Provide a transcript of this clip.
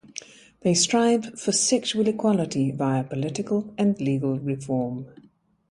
They strive for sexual equality via political and legal reform.